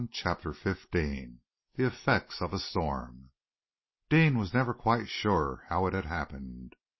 CHAPTER XV THE EFFECT OF A STORM Deane was never quite sure how it had happened.